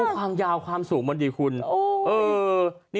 ความยาวความสูงมันดีคุณ